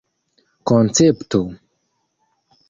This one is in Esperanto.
koncepto